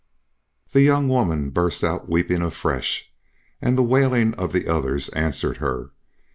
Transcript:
The young woman burst out weeping afresh, and the wailing of the others answered her.